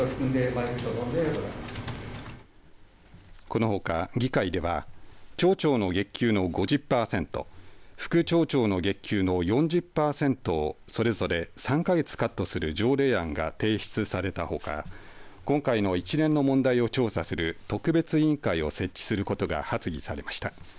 このほか議会では町長の月給の５０パーセント副町長の月給の４０パーセントをそれぞれ３か月カットする条例案が提出されたほか今回の一連の問題を調査する特別委員会を設置することが発議されました。